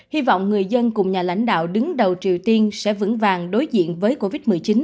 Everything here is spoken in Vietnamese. hy vọng người dân cùng nhà lãnh đạo đứng đầu triều tiên sẽ vững vàng đối diện với covid một mươi chín